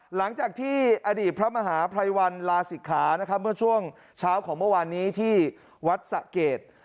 หลังจากที่อดีตพระมหาภัยวันลาศิกขานะครับเมื่อช่วงเช้าของเมื่อวานนี้ที่วัดสะเกด